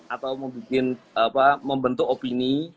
atau membentuk opini